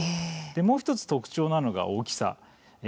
もう１つ特徴なのが大きさです。